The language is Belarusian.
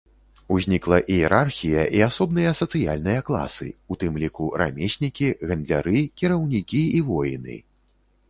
Узнікла іерархія і асобныя сацыяльныя класы, у тым ліку рамеснікі, гандляры, кіраўнікі і воіны.